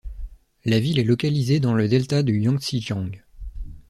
La ville est localisée dans le delta du Yangzi Jiang.